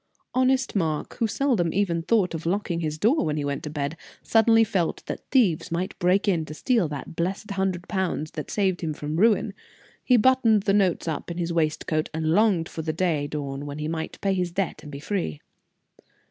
Honest Mark, who seldom thought of even locking his door when he went to bed, suddenly felt that thieves might break in to steal that blessed hundred pounds that saved him from ruin. He buttoned the notes up in his waistcoat, and longed for the day dawn when he might pay his debt and be free.